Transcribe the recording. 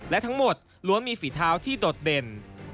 และทั้งหมดล้วนมีฝีเท้าที่โดดเด่น